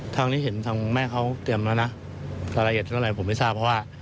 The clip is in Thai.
ทางนี้เห็นทางแม่เขาเตรียมแล้วนะรายละเอียดเท่าไหร่ผมไม่ทราบเพราะว่า